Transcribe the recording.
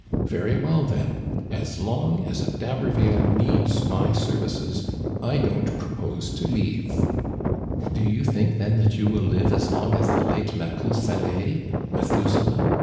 Very well, then ! As long as a D'Haberville needs my services, I don't propose to leave." " Do you think, then, that you will live as long as the late Maqueue salé [Methuselah] ?